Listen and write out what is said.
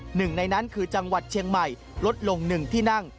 หนึ่งในนั้นคือจังหวัดเชียงใหม่ลดลง๑ที่นั่ง